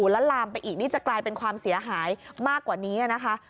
แล้วลามไปอีกนี่จะกลายเป็นความเสียหายมากกว่านี้นะคะ